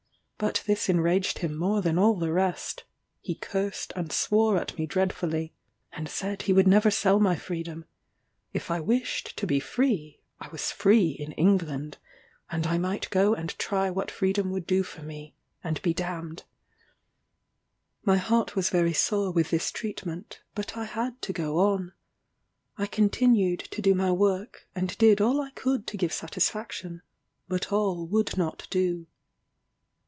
But this enraged him more than all the rest: he cursed and swore at me dreadfully, and said he would never sell my freedom if I wished to be free, I was free in England, and I might go and try what freedom would do for me, and be d d. My heart was very sore with this treatment, but I had to go on. I continued to do my work, and did all I could to give satisfaction, but all would not do.